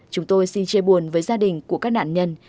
chúng tôi xin chia buồn với gia đình của các nạn nhân